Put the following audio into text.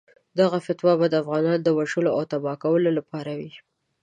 دغه فتوا به د افغانانو د وژلو او تباه کولو لپاره وي.